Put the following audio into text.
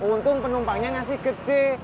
untung penumpangnya masih gede